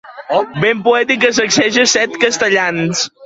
Vent poètic que sacseja set castellans.